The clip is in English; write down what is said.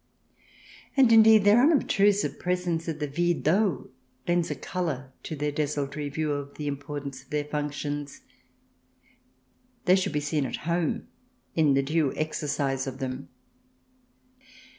And, indeed, their unobtrusive presence at the villes d'eaux lends a colour to their desultory view of the importance of their functions. They should be seen at home, in the due exercise of them.